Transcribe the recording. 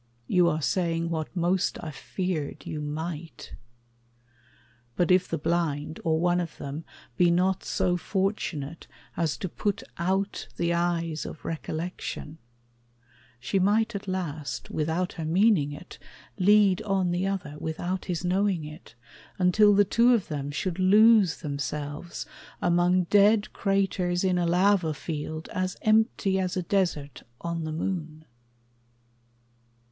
You are saying What most I feared you might. But if the blind, Or one of them, be not so fortunate As to put out the eyes of recollection, She might at last, without her meaning it, Lead on the other, without his knowing it, Until the two of them should lose themselves Among dead craters in a lava field As empty as a desert on the moon.